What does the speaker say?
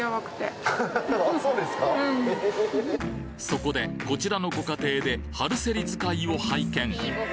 そこでこちらのご家庭で春セリ使いを拝見